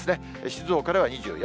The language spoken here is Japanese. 静岡では２４度。